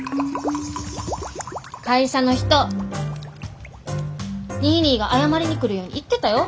会社の人ニーニーが謝りに来るように言ってたよ。